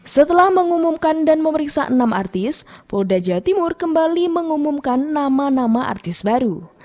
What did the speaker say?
setelah mengumumkan dan memeriksa enam artis polda jawa timur kembali mengumumkan nama nama artis baru